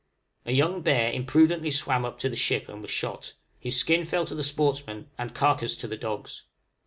A young bear imprudently swam up to the ship, and was shot, his skin fell to the sportsman, and carcase to the dogs.